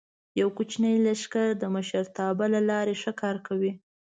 یو کوچنی لښکر د مشرتابه له لارې ښه کار کوي.